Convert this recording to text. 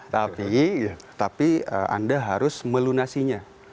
tapi anda harus melunasinya